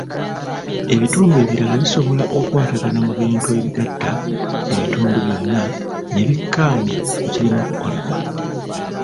Ebitundu birala bisobola okukwatagana mu bintu ebigatta ebitundu byonna ne bikkaanya ku kirina okukolebwa.